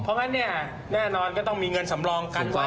เพราะงั้นเนี่ยแน่นอนก็ต้องมีเงินสำรองเกินกว่า